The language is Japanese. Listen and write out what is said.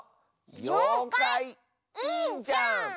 「ようかいいいじゃん」！